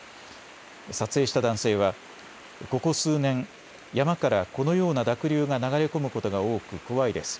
撮影した男性はここ数年、山からこのような濁流が流れ込むことが多く怖いです。